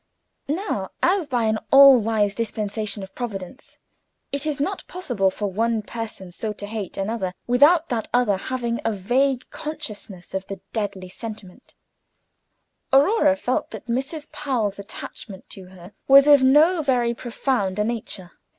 Now as, by an all wise dispensation of Providence, it is not possible for one person so to hate another without that other having a vague consciousness of the deadly sentiment, Aurora felt that Mrs. Powell's attachment to her was of no very profound a nature.